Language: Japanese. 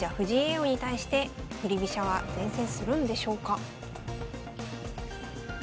王に対して振り飛車は善戦するんでしょうか？